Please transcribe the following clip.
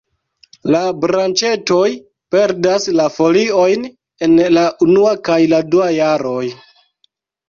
La branĉetoj perdas la foliojn en la unua kaj dua jaroj.